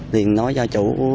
thì nói cho chủ